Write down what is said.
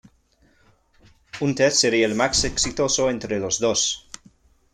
Hunter sería el más exitoso entre los dos.